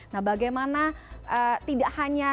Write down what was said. nah bagaimana tidak hanya